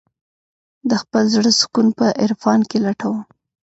د خپل زړه سکون په عرفان کې لټوم.